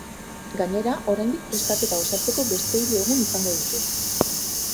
Gainera, oraindik prestaketa osatzeko beste hiru egun izango ditu.